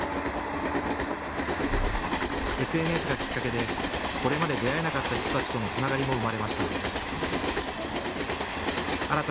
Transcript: ＳＮＳがきっかけで、これまで出会えなかった人たちとのつながりも生まれました。